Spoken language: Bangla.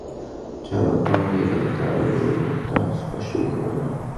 তাহার আগমনে হঠাৎ একটা জমাট সভা ভাঙিয়া গেল, চারু তাহা স্পষ্টই বুঝিতে পারিল।